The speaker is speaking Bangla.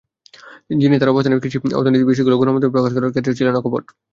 তিনি তাঁর অবস্থানে কৃষি অর্থনীতির বিষয়গুলো গণমাধ্যমে প্রকাশ করার ক্ষেত্রে ছিলেন অকপট।